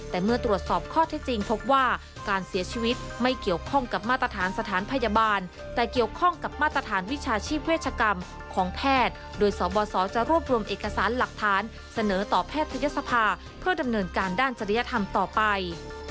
แต่เมื่อตรวจสอบข้อที่จริงพบว่าการเสียชีวิตไม่เกี่ยวข้องกับมาตรฐานสถานพยาบาลแต่เกี่ยวข้องกับมาตรฐานวิชาชีพเวชกรรมของแพทย์โดยสบสจะรวบรวมเอกสารหลักฐานเสนอต่อแพทยศภาเพื่อดำเนินการด้านจริยธรรมต่อไป